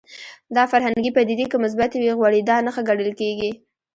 دا فرهنګي پدیدې که مثبتې وي غوړېدا نښه ګڼل کېږي